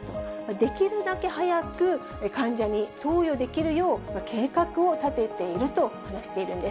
できるだけ早く患者に投与できるよう、計画を立てていると話しているんです。